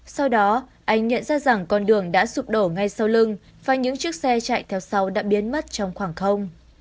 sau đó anh nhận ra rằng con đường đã sụp đổ ngay sau lưng và những chiếc xe chạy theo sau đã biến mất trong khoảng không